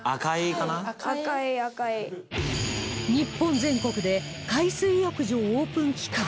日本全国で海水浴場オープン期間